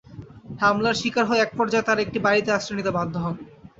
হামলার শিকার হয়ে একপর্যায়ে তাঁরা একটি বাড়িতে আশ্রয় নিতে বাধ্য হন।